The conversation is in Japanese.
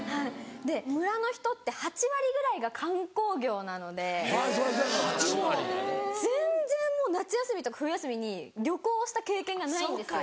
で村の人って８割ぐらいが観光業なのでもう全然夏休みとか冬休みに旅行をした経験がないんですよ。